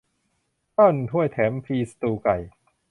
ข้าวหนึ่งถ้วยแถมฟรีสตูว์ไก่